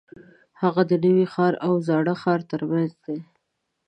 هغه د نوي ښار او زاړه ښار ترمنځ دی.